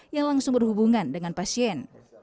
yang langsung berhubungan dengan pasien